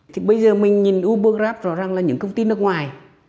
thì bây giờ mình nhìn ubergraph rõ ràng là những công ty nước ngoài